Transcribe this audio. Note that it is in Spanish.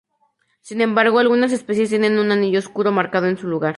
Sin embargo, algunas especies tienen un anillo oscuro marcado en su lugar.